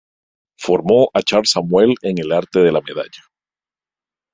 Formó a Charles Samuel en el arte de la medalla.